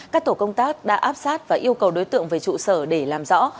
các tổ công tác đã áp sát và yêu cầu đối tượng về trụ sở để làm rõ